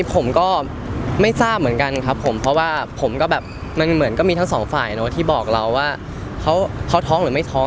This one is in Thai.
ผมก็ไม่ทราบเพราะมันเหมือนมีทั้งสองฝ่ายที่บอกเราว่าเค้าท้องหรือไม่ท้อง